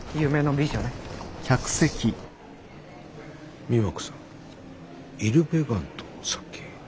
美摩子さんイルベガンとさっき。